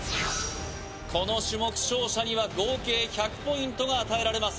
この種目勝者には合計１００ポイントが与えられます